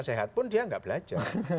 sehat pun dia nggak belajar